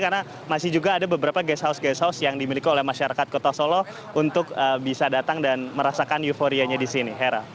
karena masih juga ada beberapa guest house guest house yang dimiliki oleh masyarakat kota solo untuk bisa datang dan merasakan euforianya di sini hera